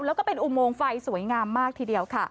แล้วก็เป็นอุโมงไฟสวยงามมากทีเดียวค่ะ